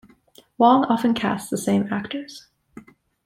Wong often casts the same actors.